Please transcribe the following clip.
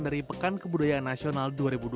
dari pekan kebudayaan nasional dua ribu dua puluh